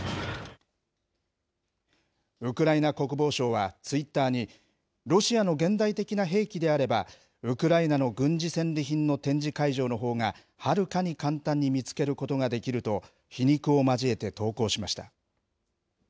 ウクライナ国防省はツイッターに、ロシアの現代的な兵器であれば、ウクライナの軍事戦利品の展示会場のほうが、はるかに簡単に見つけることができると、皮肉を交えて投稿しました。